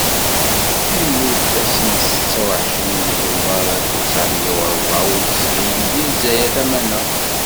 Yemmut ass n, setta u εecrin deg tuber alef u tesεemya u rebεa u tesεin, deg Lezzayer Tamaneɣt.